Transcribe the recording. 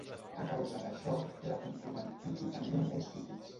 A causa d'això, era controvertit i tenia molts crítics.